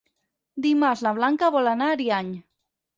Dimarts na Blanca vol anar a Ariany.